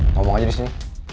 ngomong aja disini